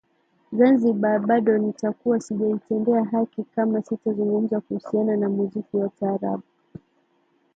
Zanzibar bado nitakuwa sijaitendea haki kama sitazungumza kuhusiana na muziki wa taarabu